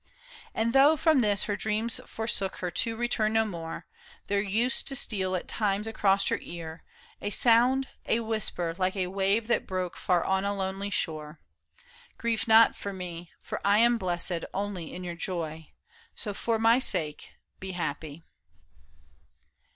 And though from this Her dreams torsook her to return no more. There used to steal at times across her ear A sound, a whisper, like a wave that broke Far on a lonely shore :*' Grieve not for me. For I am blessed only in your joy. So for my sake be happy."